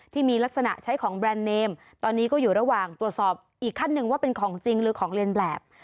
ที่มีลักษณะใช้ของแบรนด์เนมตอนนี้ก็อยู่ระหว่างตรวจสอบอีกขั้นหนึ่งว่าเป็นของจริงหรือของเรียนแบบ